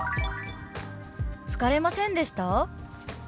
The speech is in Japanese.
「疲れませんでした？」。